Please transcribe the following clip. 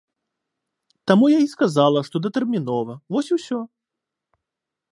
Таму я і сказала, што датэрмінова, вось і ўсё.